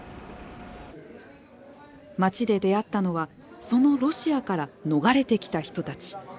街で出会ったのはそのロシアから逃れてきた人たち。